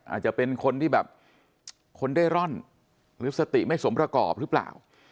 อาจจะเป็นคนที่แบบคนเร่ร่อนหรือสติไม่สมประกอบหรือเปล่า